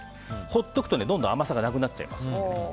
放っておくとどんどん甘さがなくなります。